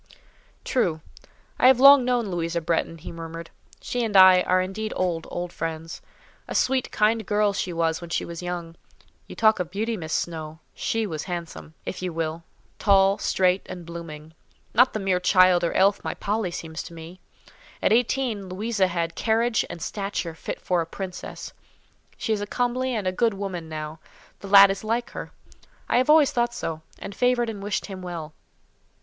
"True. I have long known Louisa Bretton," he murmured. "She and I are indeed old, old friends; a sweet, kind girl she was when she was young. You talk of beauty, Miss Snowe! she was handsome, if you will—tall, straight, and blooming—not the mere child or elf my Polly seems to me: at eighteen, Louisa had a carriage and stature fit for a princess. She is a comely and a good woman now. The lad is like her; I have always thought so, and favoured and wished him well.